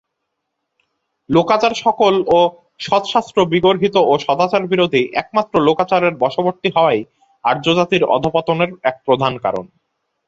লোকাচারসকলও সৎশাস্ত্রবিগর্হিত ও সদাচারবিরোধী একমাত্র লোকাচারের বশবর্তী হওয়াই আর্যজাতির অধঃপতনের এক প্রধান কারণ।